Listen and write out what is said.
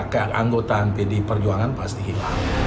keanggotaan pdi perjuangan pasti hilang